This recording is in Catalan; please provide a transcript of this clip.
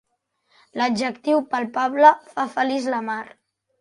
L'adjectiu palpable fa feliç la Mar.